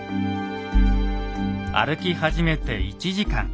歩き始めて１時間。